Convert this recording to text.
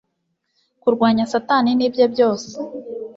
kurwanya satani nibye byose